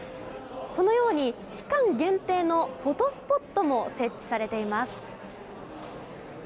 このように期間限定のフォトスポットも設置されています。